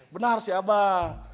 benar si abang